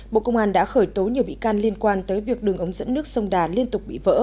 bộ công an đã khởi tố nhiều bị can liên quan tới việc đường ống dẫn nước sông đà liên tục bị vỡ